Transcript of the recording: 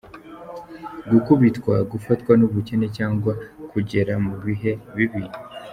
Gukubitwa : gufatwa n’ubukene cyangwa kugera mu bihe bibi.